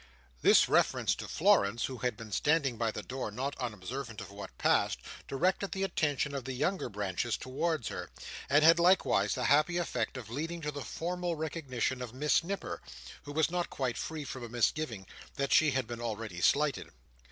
This reference to Florence, who had been standing by the door not unobservant of what passed, directed the attention of the younger branches towards her; and had likewise the happy effect of leading to the formal recognition of Miss Nipper, who was not quite free from a misgiving that she had been already slighted.